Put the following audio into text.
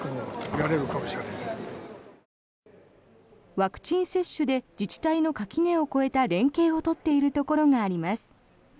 ワクチン接種で自治体の垣根を越えた連携を取っているところがあります。